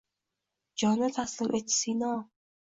Jonni taslim etdi Sino…